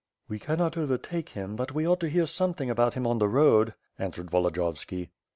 "We cannot overtake him, but we ought to hear something about him on the road," answered Volodiyovski.